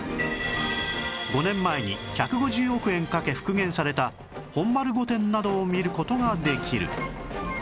５年前に１５０億円かけ復元された本丸御殿などを見る事ができる